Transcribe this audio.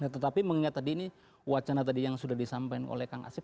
tetapi mengingat tadi ini wacana tadi yang sudah disampaikan oleh kang asep